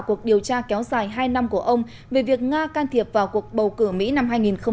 cuộc điều tra kéo dài hai năm của ông về việc nga can thiệp vào cuộc bầu cử mỹ năm hai nghìn một mươi sáu